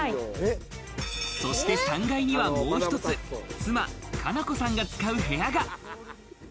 そして３階にはもう一つ、妻・加奈子さんが使う部屋が。